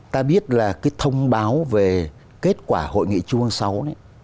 ta biết là cái thông báo về kết quả hội nghị trung ương sáu này